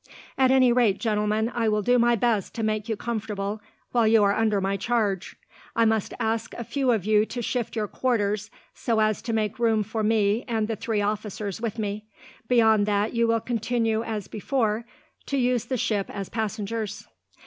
At any rate, gentlemen, I will do my best to make you comfortable while you are under my charge. I must ask a few of you to shift your quarters, so as to make room for me and the three officers with me; beyond that you will continue, as before, to use the ship as passengers."